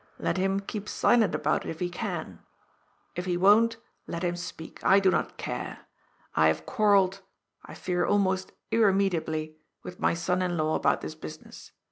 Let him keep silent about it, if he can. If he won't, let him speak. I do not care. I have quarrelled — I fear almost irremediably — with my son in law about this business.